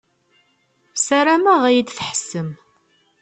Sarameɣ ad yi-d-tḥessem.